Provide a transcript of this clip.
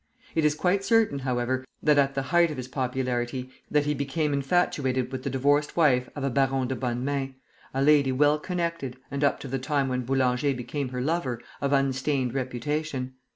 It is quite certain, however, that at the height of his popularity he became infatuated with the divorced wife of a Baron de Bonnemains, a lady well connected, and up to the time when Boulanger became her lover, of unstained reputation.